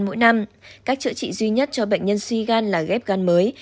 mỗi năm cách chữa trị duy nhất cho bệnh nhân suy gan là ghép gan mới